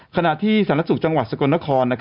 ขณะที่สถานกศึกษ์จังหวัดสกลนคร